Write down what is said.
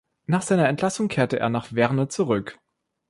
Nach seiner Entlassung kehrte er nach Werne zurück.